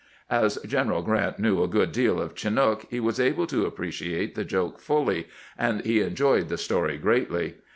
As General Grraut knew a good deal of Chinook, he was able to appreciate the joke fully, and he enjoyed the story greatly.